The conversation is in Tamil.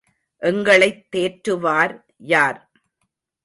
எங்களைத் தேற்றுவார் யார்?